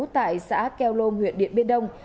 tại xã keo lôm huyện điện biên đông